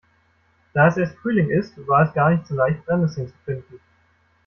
Da es erst Frühling ist, war es gar nicht so leicht, Brennesseln zu finden.